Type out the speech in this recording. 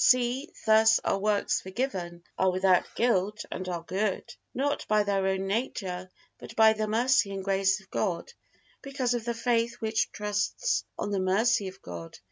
See, thus are works forgiven, are without guilt and are good, not by their own nature, but by the mercy and grace of God because of the faith which trusts on the mercy of God.